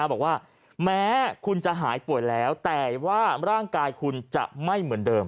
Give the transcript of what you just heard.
บอกว่าแม้คุณจะหายป่วยแล้วแต่ว่าร่างกายคุณจะไม่เหมือนเดิม